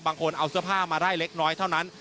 บางคนเอาเสื้อผ้ามาไล่เล็กน้อยเท่านั้น